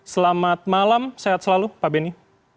selamat malam sehat selalu pak beni